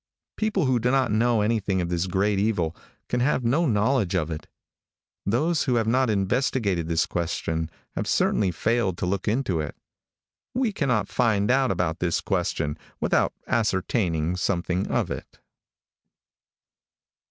People who do not know anything of this great evil, can have no knowledge of it. Those who have not investigated this question have certainly failed to look into it. We cannot find out about this question without ascertaining something of it.